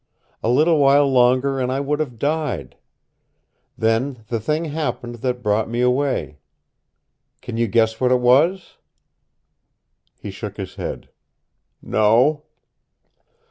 A little while longer and I would have died. Then the thing happened that brought me away. Can you guess where it was?" He shook his head, "No."